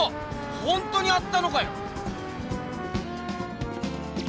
ほんとにあったのかよ！